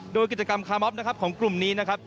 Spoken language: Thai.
โดยกิจกรรมค้ามอฟของกลุ่มนี้